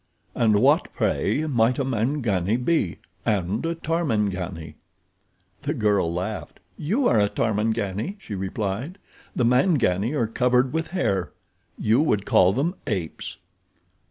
"And what, pray, might a Mangani be, and a Tarmangani?" The girl laughed. "You are a Tarmangani," she replied. "The Mangani are covered with hair—you would call them apes."